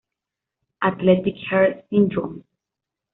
Athletic Heart Syndrome.